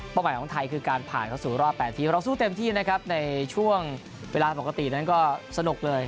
หมายของไทยคือการผ่านเข้าสู่รอบ๘ทีมเราสู้เต็มที่นะครับในช่วงเวลาปกตินั้นก็สนุกเลย